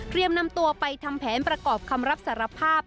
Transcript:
นำตัวไปทำแผนประกอบคำรับสารภาพ